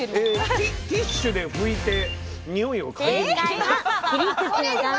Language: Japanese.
ティッシュで拭いてにおいを嗅いで。